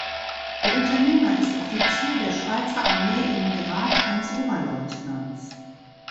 Der Unternehmer ist Offizier der Schweizer Armee im Grad eines Oberleutnants.